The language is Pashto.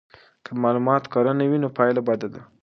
که معلومات کره نه وي نو پایله بده ده.